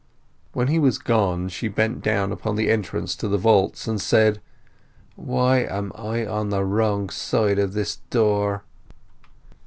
When he was gone she bent down upon the entrance to the vaults, and said— "Why am I on the wrong side of this door!"